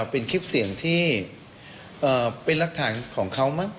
เป็นคลิปเสียงที่เป็นรักฐานของเขามั้ง